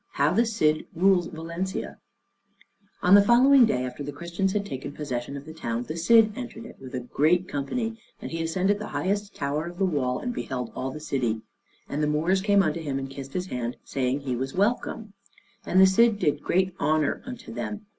IV HOW THE CID RULED VALENCIA On the following day after the Christians had taken possession of the town, the Cid entered it with a great company, and he ascended the highest tower of the wall and beheld all the city; and the Moors came unto him, and kissed his hand, saying he was welcome. And the Cid did great honor unto them.